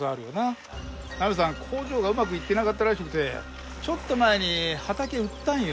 工場がうまくいってなかったらしくてちょっと前に畑売ったんよ。